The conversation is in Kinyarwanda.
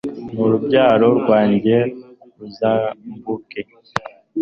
n'urubyaro rwanjye ruzarimbuke